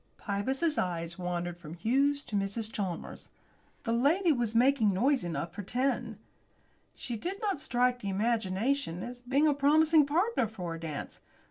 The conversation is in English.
Pybus's eyes wandered from Hughes to Mrs. Chalmers. The lady was making noise enough for ten. She did not strike the imagination as being a promising partner for a dance.